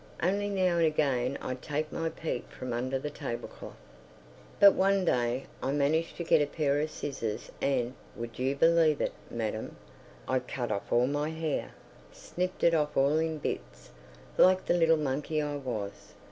Only now and again I'd take my peep from under the table cloth. ... But one day I managed to get a pair of scissors and—would you believe it, madam? I cut off all my hair; snipped it off all in bits, like the little monkey I was.